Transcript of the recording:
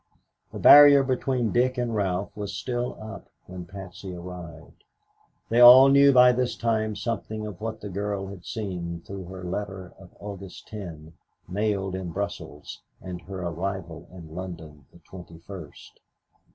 The barrier between Dick and Ralph was still up when Patsy arrived. They all knew by this time something of what the girl had seen between her letter of August 10th mailed in Brussels and her arrival in London the twenty first.